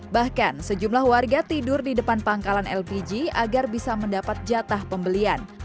bahkan sejumlah warga tidur di depan pangkalan lpg agar bisa mendapat jatah pembelian